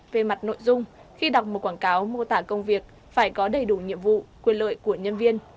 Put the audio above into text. về mặt nội dung khi đọc một quảng cáo mô tả công việc phải có đầy đủ nhiệm vụ quyền lợi của nhân viên